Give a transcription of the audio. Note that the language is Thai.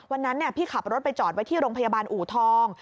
วันนั้นพี่ขับรถไปจอดไว้ที่โรงพยาบาลอูทอง